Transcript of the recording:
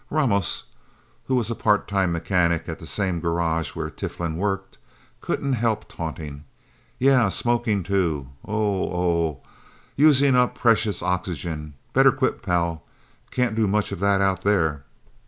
Ramos, who was a part time mechanic at the same garage where Tiflin worked, couldn't help taunting. "Yeah smoking, too. Oh oh. Using up precious oxygen. Better quit, pal. Can't do much of that Out There."